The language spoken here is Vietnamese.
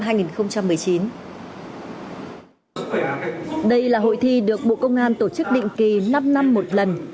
đây là hội thi được bộ công an tổ chức định kỳ năm năm một lần